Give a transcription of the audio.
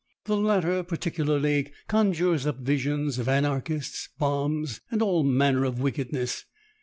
The latter, particularly, conjures up visions of anarchists, bombs, and all manner of wickedness.